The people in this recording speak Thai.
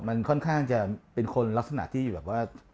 มันค่อนข้างจะเป็นคนลักษณะที่แบบว่า